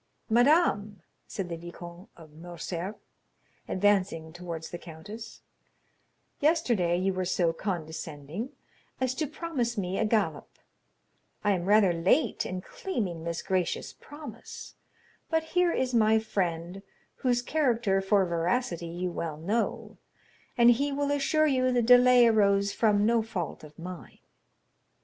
"Madame," said the Viscount of Morcerf, advancing towards the countess, "yesterday you were so condescending as to promise me a galop; I am rather late in claiming this gracious promise, but here is my friend, whose character for veracity you well know, and he will assure you the delay arose from no fault of mine."